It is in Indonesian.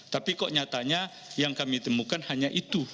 tapi kok nyatanya yang kami temukan hanya itu